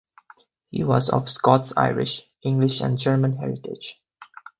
He was of Scots Irish, English and German heritage.